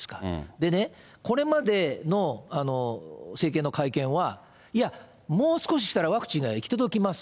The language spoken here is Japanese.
でね、これまでの政権の会見は、いや、もう少ししたらワクチンが行き届きます。